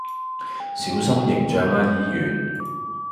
小心形象呀議員